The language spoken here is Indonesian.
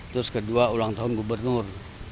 terus kedua ulang tahun gubernur